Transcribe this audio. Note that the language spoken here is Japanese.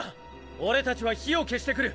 俺達は火を消してくる！